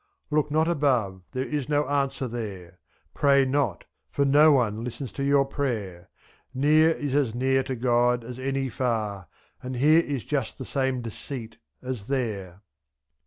Look not above, there is no answer there; Pray not, for no one listens to your prayer; 78. Near is as near to God as any Far, And Here is just the same deceit as There.